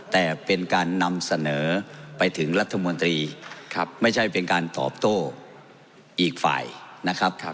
แต่เป็นการนำเสนอไปถึงรัฐมนตรีไม่ใช่เป็นการตอบโต้อีกฝ่ายนะครับ